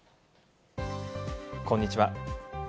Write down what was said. こんにちは。